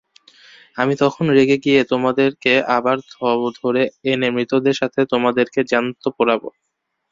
আমি তখন রেগে গিয়ে তোমাদেরকে আবার ধরে এনে মৃতদের সাথে তেমাদেরকে জ্যান্ত পোড়াব।